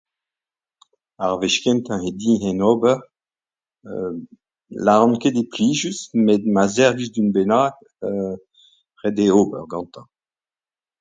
Ar wech kentañ eo din en ober, euu lâran ket eo plijus met ma servij d'unan bennak euu ret eo ober gantañ.